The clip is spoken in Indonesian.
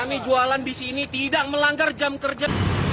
kami jualan disini tidak melanggar jam kerja